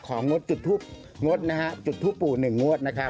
ของงดจุดทุบงดนะครับจุดทุบปู่หนึ่งงวดนะครับ